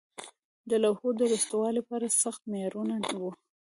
د لوحو د درستوالي په اړه سخت معیارونه وو.